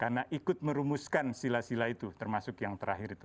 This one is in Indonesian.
karena ikut merumuskan sila sila itu termasuk yang terakhir itu